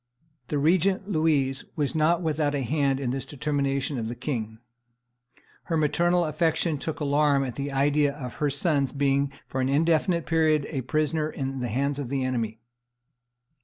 The regent, Louise, was not without a hand in this determination of the king; her maternal affection took alarm at the idea of her son's being for an indefinite period a prisoner in the hands of his enemy.